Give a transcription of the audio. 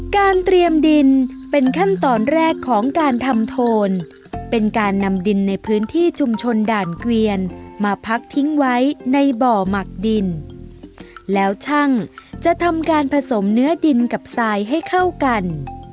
การเตรียมดินเป็นขั้นตอนแรกของการทำโทนเป็นการนำดินในพื้นที่ชุมชนด่านเกวียนมาพักทิ้งไว้ในบ่อหมักดินแล้วช่างจะทำการผสมเนื้อดินกับทรายให้เข้ากัน